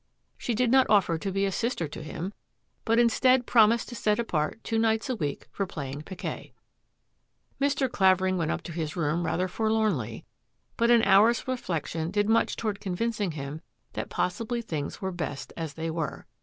She did not offer to be a sister to him, but instead promised to set apart two nights a week for playing piquet. Mr. Clavering went up to his room rather for lornly, but an hour's reflection did much toward convincing him that possibly things were best as they were.